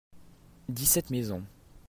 dix-sept maisons.